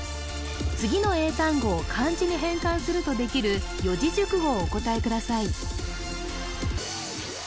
次の英単語を漢字に変換するとできる四字熟語をお答えください